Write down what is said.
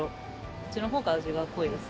そっちの方が味が濃いです。